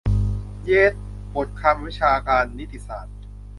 "เย็ด" บทความวิชาการนิติศาสตร์